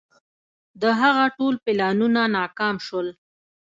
د هغه ټول پلانونه ناکام شول.